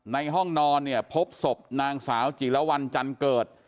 ในห้องนอนเนี่ยพบศพนางสาวจิลวันจันเกิด